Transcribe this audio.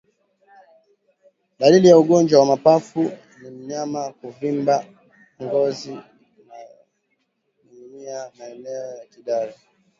Dalili ya ugonjwa wa mapafu ni mnyama kuvimba ngozi inayoninginia maeneo ya kidari